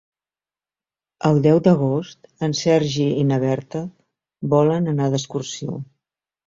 El deu d'agost en Sergi i na Berta volen anar d'excursió.